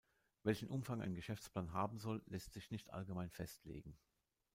Welchen Umfang ein Geschäftsplan haben soll, lässt sich nicht allgemein festlegen.